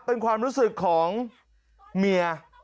เป็นความรู้สึกของเมีย